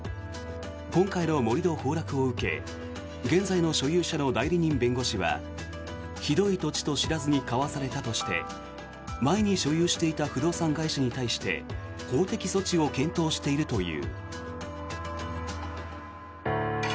今回の盛り土崩落を受け現在の所有者の代理人弁護士はひどい土地と知らずに買わされたとして前に所有していた不動産会社に対して法的措置を検討しているという。